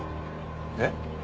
えっ？